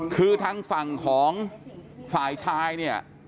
คือทางฝั่งของฝ่ายชายเนี่ย